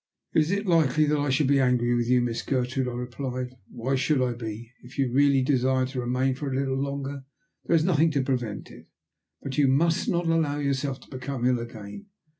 "Is it likely that I should be angry with you, Miss Gertrude?" I replied. "Why should I be? If you really desire to remain for a little longer there is nothing to prevent it. But you must not allow yourself to become ill again.